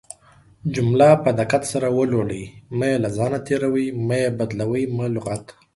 جمله په دقت سره ولولٸ مه يې له ځانه تيروٸ، مه يې بدالوۍ، مه لغت